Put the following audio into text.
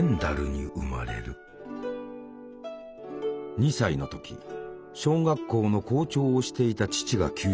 ２歳の時小学校の校長をしていた父が急死。